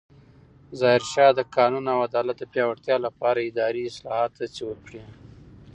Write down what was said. ظاهرشاه د قانون او عدالت د پیاوړتیا لپاره د اداري اصلاحاتو هڅې وکړې.